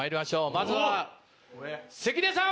まずは関根さん。